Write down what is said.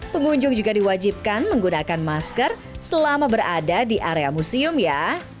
pengunjung juga diwajibkan menggunakan masker selama berada di area museum ya